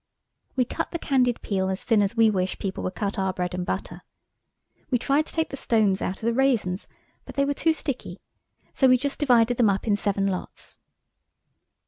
We cut the candied peel as thin as we wish people would cut our bread and butter. We tried to take the stones out of the raisins, but they were too sticky, so we just divided them up in seven lots.